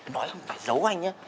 nói là phải giấu anh nhá